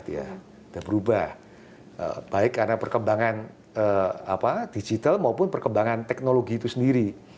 sudah berubah baik karena perkembangan digital maupun perkembangan teknologi itu sendiri